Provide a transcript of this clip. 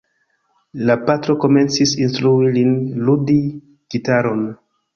La patro komencis instrui lin ludi gitaron.